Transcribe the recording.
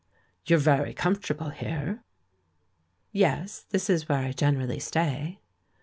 "You're very comfortable here." "Yes; this is where I generally stay."